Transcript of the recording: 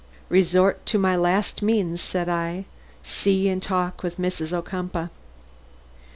"Resort to my last means," said I. "See and talk with Mrs. Ocumpaugh."